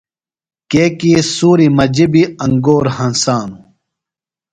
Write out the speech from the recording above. کیۡکی سُوریۡ مجیۡ بیۡ انگور ہنسانوۡ۔